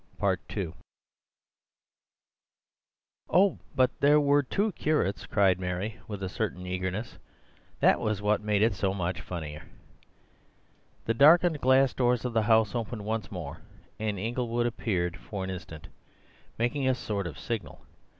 I have—" "Oh, but there were two curates," cried Mary, with a certain gentle eagerness; "that was what made it so much funnier." The darkened glass doors of the house opened once more, and Inglewood appeared for an instant, making a sort of signal.